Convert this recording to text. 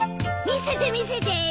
見せて見せて。